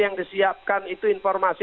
yang disiapkan itu informasi